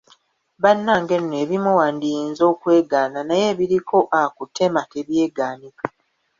Bannange nno ebimu wandiyinza okwegaana naye ebiriko akutema tebyegaanika